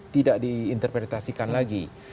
tidak diinterpretasikan lagi